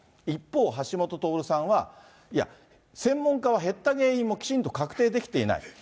一方、橋下徹さんは、いや、専門家は減った原因もきちんと確定できていない。